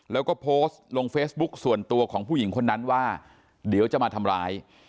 แล้วก็โพสต์ลงเฟซบุ๊คส่วนตัวของผู้หญิงคนนั้นว่าเดี๋ยวจะมาทำร้าย